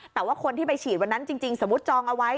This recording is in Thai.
แต่ว่าคนที่ไปฉีดวันนั้นจริงสมมุติจองเอาไว้